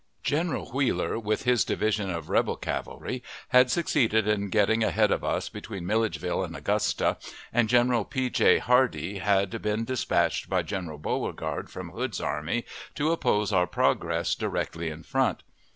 General Wheeler, with his division of rebel cavalry, had succeeded in getting ahead of us between Milledgeville and Augusta, and General P. J. Hardee had been dispatched by General Beauregard from Hood's army to oppose our progress directly in front.